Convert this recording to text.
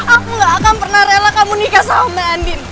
aku gak akan pernah rela kamu nikah sama andi